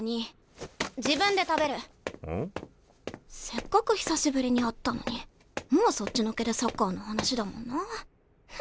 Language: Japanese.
せっかく久しぶりに会ったのにもうそっちのけでサッカーの話だもんな。フンッ。